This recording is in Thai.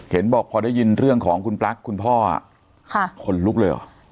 เห็นบอกพอได้ยินเรื่องของคุณปลั๊กคุณพ่อขนลุกเลยเหรอ